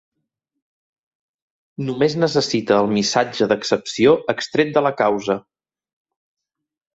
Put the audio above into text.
Només necessita el missatge d'excepció extret de la "causa".